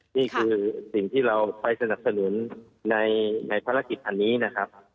นี่คือสิ่งที่เราไปสนับสนุนในภารกิจอันนี้นะครับ